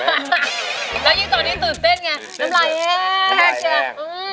แล้วยิ่งตอนนี้ตื่นเต้นไง